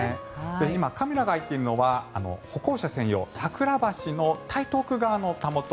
今、カメラが映しているのは歩行者専用、桜橋の台東区側のたもと。